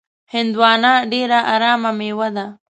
هندوانه ډېره ارامه میوه ده.